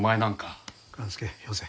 勘介よせ。